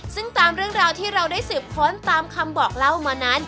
ซึ่งตามเรื่องราวที่เราได้สืบค้นตามคำบอกเล่ามานั้น